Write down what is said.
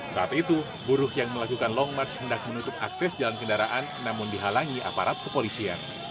saat itu buruh yang melakukan long march hendak menutup akses jalan kendaraan namun dihalangi aparat kepolisian